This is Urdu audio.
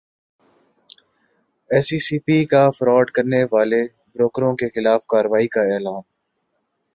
ایس ای سی پی کا فراڈ کرنیوالے بروکروں کیخلاف کارروائی کا اعلان